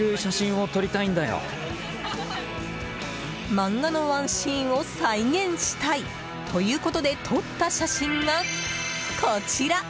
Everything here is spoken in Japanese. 漫画のワンシーンを再現したい！ということで撮った写真がこちら。